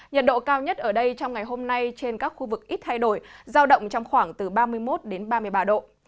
nhiệt độ cao nhất ở đây trong ngày hôm nay trên các khu vực ít thay đổi giao động trong khoảng từ ba mươi một đến ba mươi ba độ